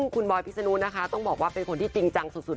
คุณบอยพิษนุนะคะต้องบอกว่าเป็นคนที่จริงจังสุด